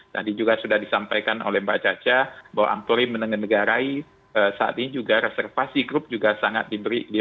tadi juga sudah disampaikan oleh mbak caca bahwa antori menengah negarai saat ini juga reservasi grup juga sangat diberikan